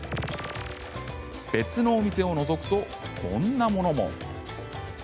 別のお店をのぞくとこんなものも。